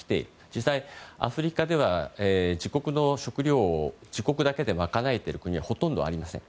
実際にアフリカでは自国の食料を自国だけで賄えている国はほとんどありません。